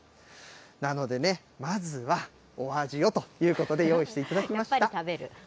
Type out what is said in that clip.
なのでね、まずは、お味をということで、用意していただきました。